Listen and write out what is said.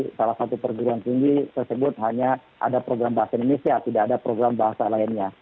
di salah satu perguruan tinggi tersebut hanya ada program bahasa indonesia tidak ada program bahasa lainnya